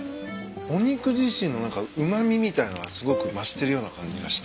お肉自身の何かうま味みたいなのがすごく増してるような感じがして。